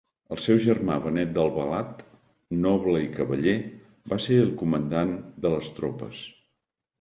El seu germà Benet d'Albalat, noble i cavaller, va ser el comandant de les tropes.